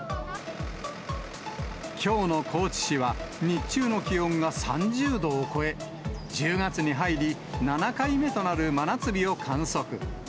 きょうの高知市は日中の気温が３０度を超え、１０月に入り、７回目となる真夏日を観測。